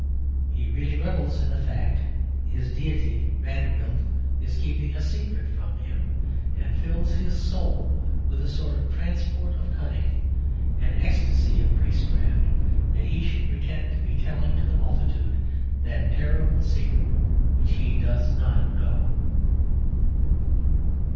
He really revels in the fact his deity Vanderbilt is keeping a secret from him. And it fills his soul with a sort of transport of cunning, an ecstasy of priestcraft, that he should pretend to be telling to the multitude that terrible secret which he does not know.